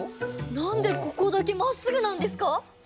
何でここだけまっすぐなんですか？